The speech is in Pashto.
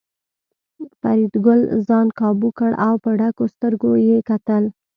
فریدګل ځان کابو کړ او په ډکو سترګو یې کتل